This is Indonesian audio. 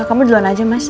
kamu duluan aja mas